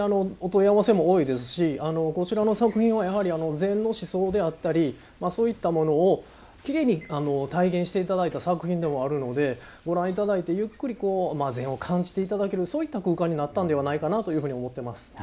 お問い合わせも多いですしこちらの作品は禅の思想であったりそういったものをきれいに体現していただいた作品でもあるのでご覧いただいてゆっくり禅を感じていただけるそういった空間になったんではないかなというふうに思ってます。